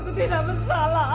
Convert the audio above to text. aku tidak bersalah